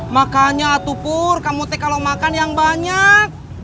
makanya atuh pur kamu teh kalau makan yang banyak